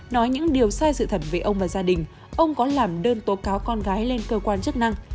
nói những điều sai sự thật về ông và gia đình ông có làm đơn tố cáo con gái lên cơ quan chức năng